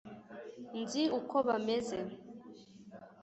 nzi uko bameze